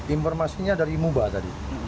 informasinya dari muba tadi